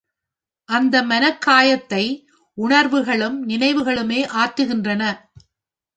அந்த மனக் காயத்தை, உணர்வுகளும் நினைவுகளுமே ஆற்றுகின்றன.